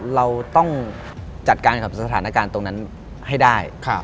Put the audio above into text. เราต้องจัดการกับสถานการณ์ตรงนั้นให้ได้